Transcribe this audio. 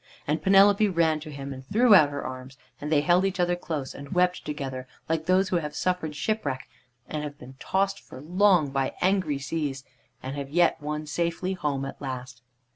And Penelope ran to him and threw out her arms, and they held each other close and wept together like those who have suffered shipwreck, and have been tossed for long by angry seas, and yet have won safely home at last.